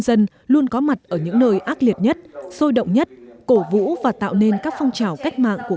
dân luôn có mặt ở những nơi ác liệt nhất sôi động nhất cổ vũ và tạo nên các phong trào cách mạng của